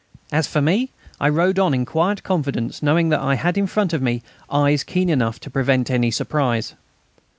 As for me, I rode on in quiet confidence, knowing that I had in front of me eyes keen enough to prevent any surprise.